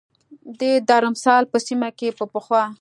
د درمسال په سیمه کې به پخوا